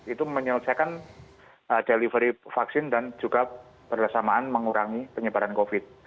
itu menyelesaikan delivery vaksin dan juga bersamaan mengurangi penyebaran covid